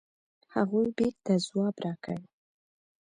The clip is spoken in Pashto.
هغوی بېرته ځواب راکړ.